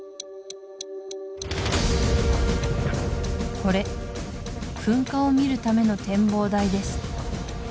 これ噴火を見るための展望台です